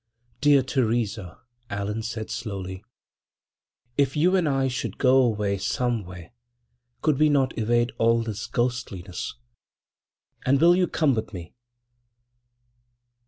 "Dear Theresa," Allan said, slowly, "if you and I should go away somewhere, could we not evade all this ghostliness? And will you come with me?"